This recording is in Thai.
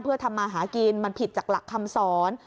เพื่อทำมาหากินมันผิดจากหลักคำสอน